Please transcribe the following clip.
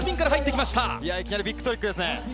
いきなりビッグトリックです。